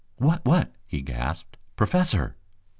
"What what " he gasped. "Professor!"